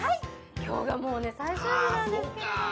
今日が最終日なんですけれども。